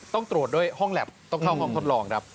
ต้องตรวจด้วยห้องแล็บต้องเข้าห้องทดลองครับ